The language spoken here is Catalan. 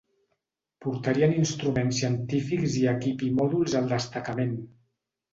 Portarien instruments científics i equip i mòduls al Destacament.